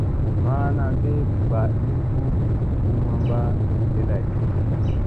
Ma ana ge mba ni u puu mamba gige lay.